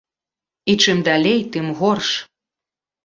І чым далей, тым горш.